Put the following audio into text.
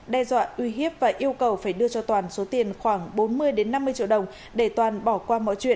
đe dọa uy hiếp và yêu cầu phải đưa cho toàn số tiền khoảng bốn mươi năm mươi triệu đồng để toàn bỏ qua mọi chuyện